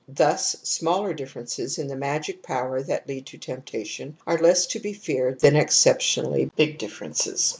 Thus smaller differences in the magic power that lead to temptation are less to be feared than ex ceptionally big differences.